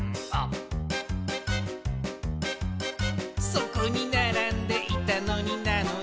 「そこにならんでいたのになのに」